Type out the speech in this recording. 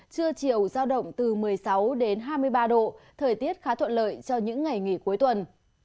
trưa chiều giao động từ một mươi sáu đến hai mươi ba độ thời tiết khá thuận lợi cho những ngày nghỉ cuối tuần